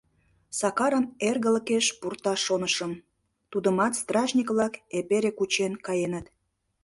Сакарым эргылыкеш пурташ шонышым, тудымат стражник-влак эпере кучен каеныт...»